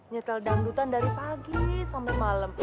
nyetel dandutan dari pagi sampe malem